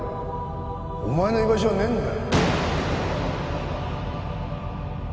お前の居場所はねえんだよ